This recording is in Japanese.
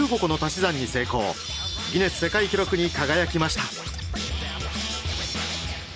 ギネス世界記録に輝きました。